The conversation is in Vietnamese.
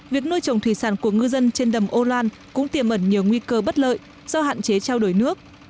việc nuôi trồng thủy sản của ngư dân trên đầm âu loan cũng tiềm ẩn nhiều nguy cơ bất lợi do hạn chế trao đổi nước